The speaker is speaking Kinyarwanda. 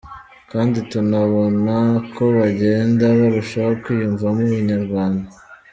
Kandi tunabona ko bagenda barushaho kwiyumvamo ubunyarwanda.